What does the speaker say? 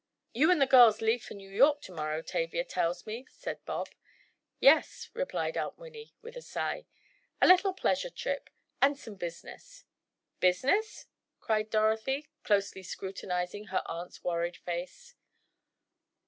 "You and the girls leave for New York to morrow, Tavia tells me," said Bob. "Yes," replied Aunt Winnie, with a sigh, "a little pleasure trip, and some business." "Business?" cried Dorothy, closely scrutinizing her aunt's worried face.